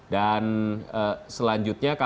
dan selanjutnya kabar